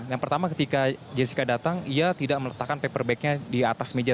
yang pertama ketika jessica datang ia tidak meletakkan paperbacknya di atas meja